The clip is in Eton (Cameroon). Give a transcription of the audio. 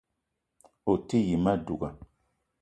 O te yi ma douga